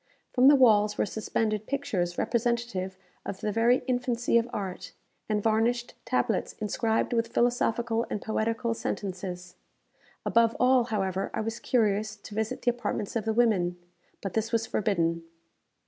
From the walls were suspended pictures representative of the very infancy of art, and varnished tablets inscribed with philosophical and poetical sentences. Above all, however, I was curious to visit the apartments of the women; but this was forbidden.